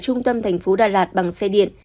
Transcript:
trung tâm thành phố đà lạt bằng xe điện